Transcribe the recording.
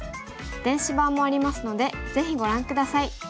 電子版もありますのでぜひご覧下さい。